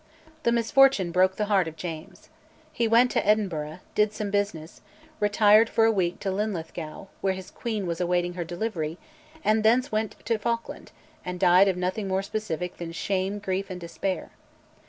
The misfortune broke the heart of James. He went to Edinburgh, did some business, retired for a week to Linlithgow, where his queen was awaiting her delivery, and thence went to Falkland, and died of nothing more specific than shame, grief, and despair.